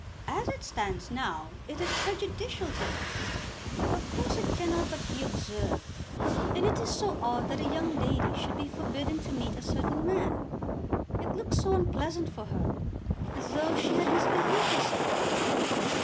"As it stands now it is prejudicial to her. Of course it cannot but be observed, and it is so odd that a young lady should be forbidden to meet a certain man. It looks so unpleasant for her, as though she had misbehaved herself."